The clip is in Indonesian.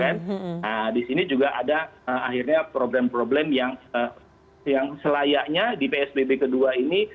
nah di sini juga ada akhirnya problem problem yang selayaknya di psbb kedua ini